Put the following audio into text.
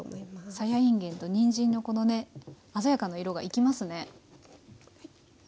さやいんげんとにんじんのこのね鮮やかな色が生きますね。